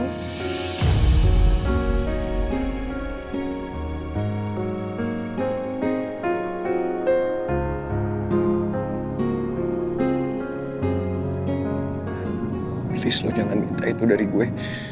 habis lo jangan minta itu dari gue